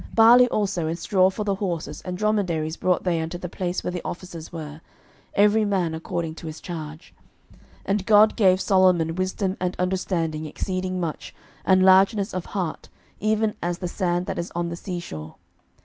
11:004:028 Barley also and straw for the horses and dromedaries brought they unto the place where the officers were, every man according to his charge. 11:004:029 And God gave Solomon wisdom and understanding exceeding much, and largeness of heart, even as the sand that is on the sea shore.